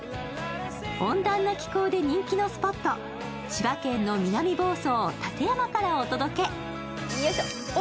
温暖な気候で人気のスポット、千葉県の南房総・館山からお届け。